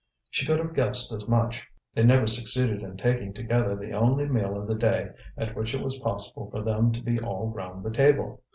She could have guessed as much; they never succeeded in taking together the only meal of the day at which it was possible for them to be all round the table.